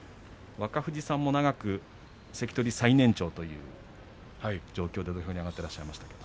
若藤さんも長く関取最年長という状況で土俵に上がっていらっしゃいましたけれど。